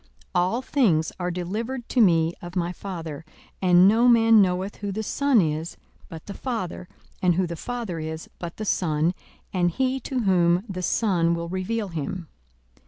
42:010:022 All things are delivered to me of my Father: and no man knoweth who the Son is, but the Father; and who the Father is, but the Son, and he to whom the Son will reveal him.